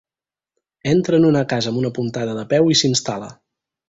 Entra en una casa amb una puntada de peu i s'hi instal·la.